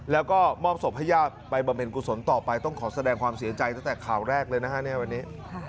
แล้วก็มอบศพให้ญาติไปบำเพ็ญกุศลต่อไปต้องขอแสดงความเสียใจตั้งแต่ข่าวแรกเลยนะฮะในวันนี้